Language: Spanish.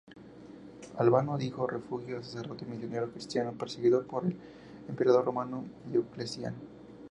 Albano dio refugio a un sacerdote misionero cristiano perseguido por el emperador romano Diocleciano.